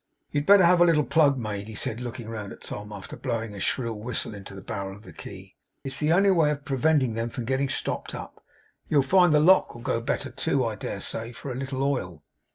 'You had better have a little plug made,' he said, looking round at Tom, after blowing a shrill whistle into the barrel of the key. 'It's the only way of preventing them from getting stopped up. You'll find the lock go the better, too, I dare say, for a little oil.